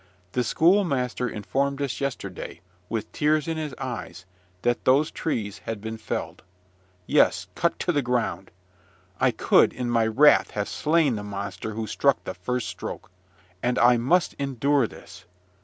The schoolmaster informed us yesterday, with tears in his eyes, that those trees had been felled. Yes, cut to the ground! I could, in my wrath, have slain the monster who struck the first stroke. And I must endure this!